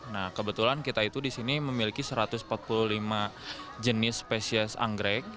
nah kebetulan kita itu di sini memiliki satu ratus empat puluh lima jenis spesies anggrek